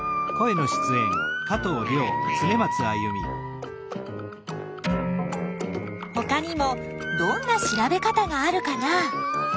ほかにもどんな調べ方があるかな？